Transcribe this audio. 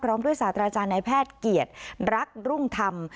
พร้อมด้วยสาธาราชาณนายแพทย์เกียรติรักรุ่งธรรม